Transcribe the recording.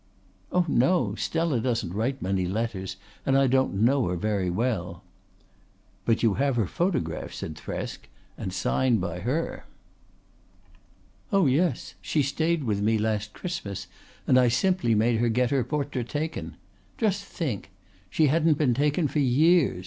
"Oh no! Stella doesn't write many letters, and I don't know her very well." "But you have her photograph," said Thresk, "and signed by her." "Oh yes. She stayed with me last Christmas, and I simply made her get her portrait taken. Just think! She hadn't been taken for years.